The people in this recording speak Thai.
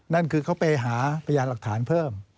นั่นคือเขาไปหาพยานหลักฐานเพิ่ม